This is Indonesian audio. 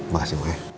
makasih mbak ya